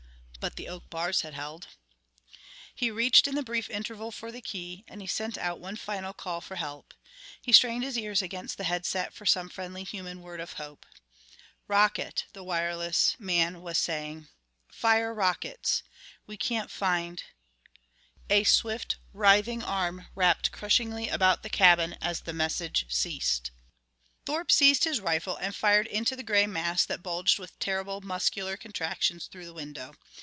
But the oak bars had held. He reached in the brief interval for the key, and he sent out one final call for help. He strained his ears against the head set for some friendly human word of hope. " rocket," the wireless man was saying. "Fire rockets. We can't find " A swift, writhing arm wrapped crushingly about the cabin as the message ceased. Thorpe seized his rifle and fired into the gray mass that bulged with terrible muscular contractions through the window.